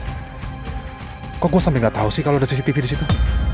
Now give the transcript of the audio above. gawat kok gue sampe gak tau sih kalo ada cctv disitu